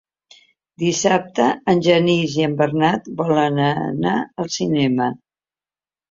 Dissabte en Genís i en Bernat volen anar al cinema.